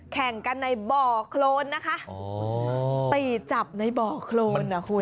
แข่งกันในบ่อโครนนะคะตีจับในบ่อโครนอ่ะคุณ